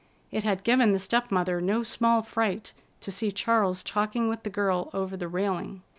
It had given the step mother no small fright to see Charles talking with the girl over the railing.